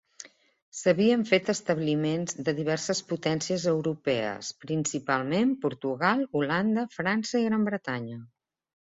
S'havien fet establiments de diverses potències europees principalment Portugal, Holanda, França i Gran Bretanya.